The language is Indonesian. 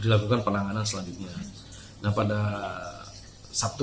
dilakukan penanganan selanjutnya nah pada sabtu